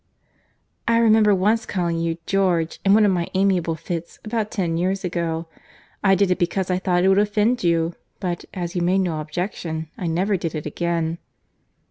"I remember once calling you 'George,' in one of my amiable fits, about ten years ago. I did it because I thought it would offend you; but, as you made no objection, I never did it again."